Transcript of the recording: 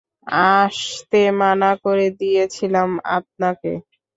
আসতে মানা করে দিয়েছিলাম আপনাকে।